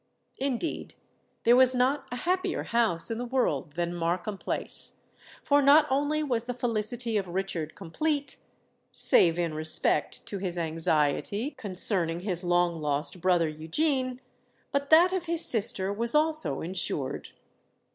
Indeed, there was not a happier house in the world than Markham Place;—for not only was the felicity of Richard complete—save in respect to his anxiety concerning his long lost brother Eugene,—but that of his sister was also ensured.